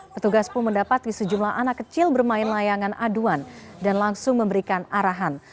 petugas pun mendapati sejumlah anak kecil bermain layangan aduan dan langsung memberikan arahan